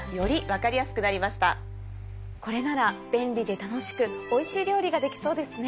これなら便利で楽しくおいしい料理ができそうですね。